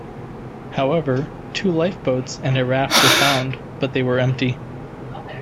However, two lifeboats and a raft were found, but they were empty.